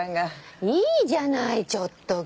いいじゃないちょっとぐらい。